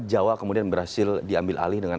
jawa kemudian berhasil diambil alih dengan